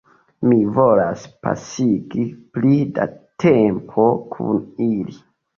Mi volas pasigi pli da tempo kun ili